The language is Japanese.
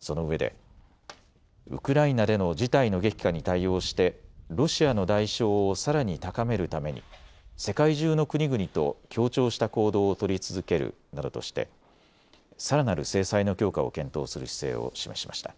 そのうえでウクライナでの事態の激化に対応してロシアの代償をさらに高めるために世界中の国々と協調した行動を取り続けるなどとしてさらなる制裁の強化を検討する姿勢を示しました。